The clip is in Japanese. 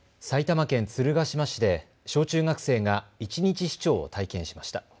埼玉県鶴ヶ島市で小中学生が一日市長を体験しました。